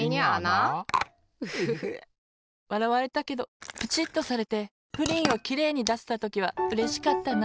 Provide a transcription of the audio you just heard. フフフ！わらわれたけどプチッとされてプリンをきれいにだせたときはうれしかったな。